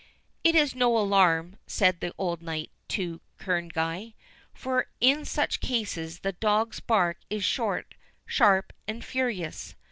"It is no alarm," said the old knight to Kerneguy, "for in such cases the dog's bark is short, sharp, and furious.